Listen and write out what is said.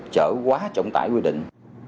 chở quá trọng tải quy định